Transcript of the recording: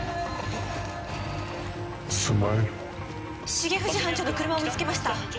重藤班長の車を見つけました。